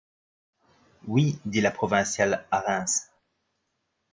Oui, dit la provinciale, à Reims.